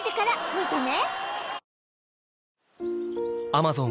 見てね！